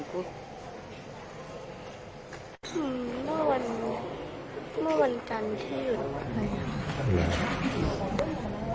เมื่อวันจานที่อยู่ดังไหนครับ